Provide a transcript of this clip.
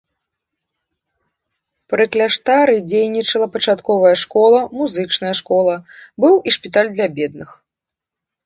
Пры кляштары дзейнічала пачатковая школа, музычная школа, быў і шпіталь для бедных.